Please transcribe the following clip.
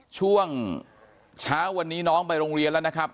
ช่วงเช้าวันนี้น้องไปโรงเรียนแล้วนะครับ